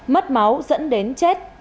mất máu dẫn đến chết